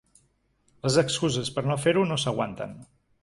Les excuses per no fer-ho no s’aguanten.